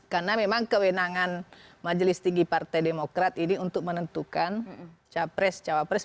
karena memang kewenangan majelis tinggi partai demokrat ini untuk menentukan capres cawapres